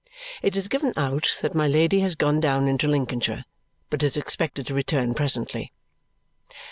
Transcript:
It is given out that my Lady has gone down into Lincolnshire, but is expected to return presently.